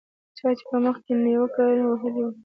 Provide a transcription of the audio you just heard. چا يې په مخ کې نيکه وهلی و.